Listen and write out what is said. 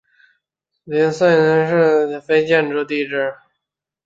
森塞特是位于美国阿肯色州华盛顿县的一个非建制地区。